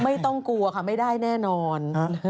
ไม่ต้องกลัวค่ะไม่ได้แน่นอน